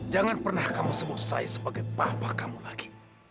jangan pernah kamu sebut saya sebagai bapak kamu lagi